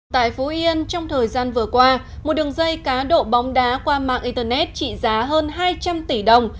tại phú yên trong thời gian vừa qua một đường dây cá độ bóng đá qua mạng internet trị giá hơn hai trăm linh tỷ đồng